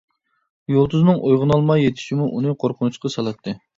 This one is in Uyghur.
يۇلتۇزنىڭ ئويغىنالماي يېتىشىمۇ ئۇنى قورقۇنچقا سالاتتى.